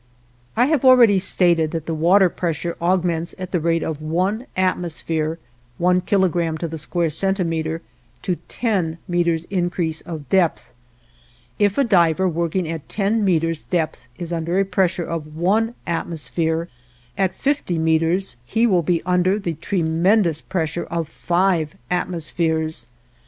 I have already stated that the water pressure augments at the rate of one atmosphere (one kilogram to the square centimeter) to ten meters' increase of depth. If a diver working at ten meters' depth is under a pressure of one atmosphere, at fifty meters he will be under the tremendous pressure of five atmospheres.